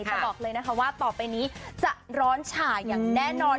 จะบอกเลยนะคะว่าต่อไปนี้จะร้อนฉ่าอย่างแน่นอน